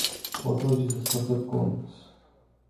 Потоа ќе се свртат кон нас.